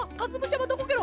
まどこケロ？